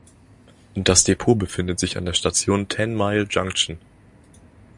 Das Depot befindet sich an der Station Ten Mile Junction.